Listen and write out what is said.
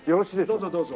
どうぞどうぞ。